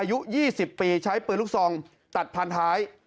อายุ๒๐ปีใช้ปืนลูกซองตัดพันท้าย